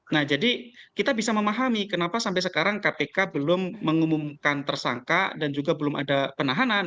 nah jadi kita bisa memahami kenapa sampai sekarang kpk belum mengumumkan tersangka dan juga belum ada penahanan